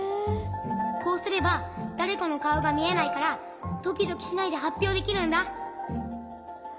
こうすればだれかのかおがみえないからドキドキしないではっぴょうできるんだ。